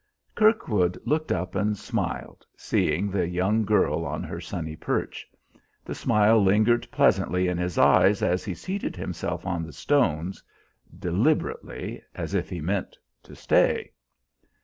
Kirkwood looked up and smiled, seeing the young girl on her sunny perch. The smile lingered pleasantly in his eyes as he seated himself on the stones, deliberately, as if he meant to stay.